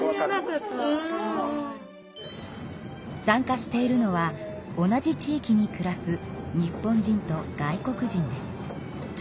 参加しているのは同じ地域に暮らす日本人と外国人です。